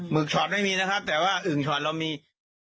ึกชอดไม่มีนะครับแต่ว่าอึ่งชอตเรามี